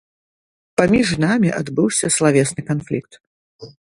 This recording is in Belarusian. Паміж намі адбыўся славесны канфлікт.